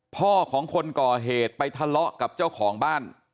พ่อของคนก่อเหตุไปทะเลาะกับเจ้าของบ้าน